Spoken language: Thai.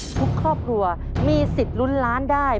ทุกครอบครัวมีสิทธิ์ลุ้นล้านได้